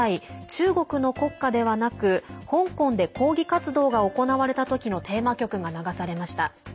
中国の国歌ではなく香港で抗議活動が行われた時のテーマ曲が流されました。